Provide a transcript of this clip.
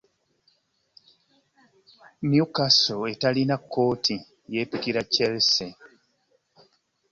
Newcastle eterina Kooci yepikira Chelsea.